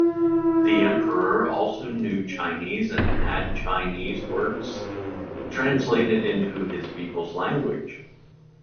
The Emperor also knew Chinese and had Chinese works translated into his people's language.